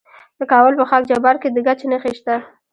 د کابل په خاک جبار کې د ګچ نښې شته.